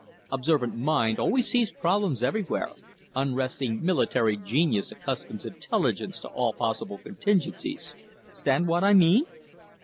Observant mind always sees problems everywhere unresting military genius accustoms intelligence to all possible contingencies 'stand what I mean?"